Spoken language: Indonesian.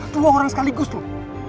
dua orang sekaligus nuh